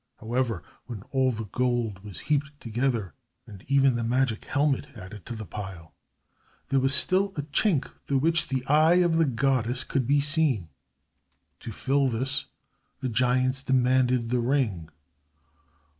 However, when all the gold was heaped together, and even the magic helmet added to the pile, there was still a chink through which the eye of the goddess could be seen. To fill this the giants demanded the ring.